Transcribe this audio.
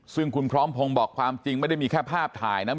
ซึ่งคุณพร้อมพงศ์บอกความจริงไม่ได้มีแค่ภาพถ่ายนะ